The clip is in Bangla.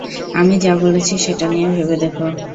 আমি যা বলেছি, সেটা নিয়ে ভেবে দেখো।